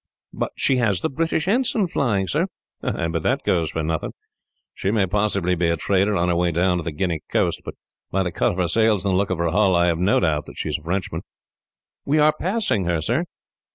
"But she has the British ensign flying, sir." "Ay, but that goes for nothing. She may possibly be a trader, on her way down to the Guinea coast, but by the cut of her sails and the look of her hull, I have no doubt that she is a Frenchman." "We are passing her, sir."